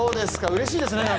うれしいですね。